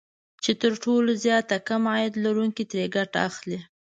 چې تر ټولو زيات د کم عاید لرونکي ترې ګټه اخلي